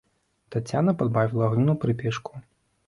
Таццяна падбавіла агню на прыпечку.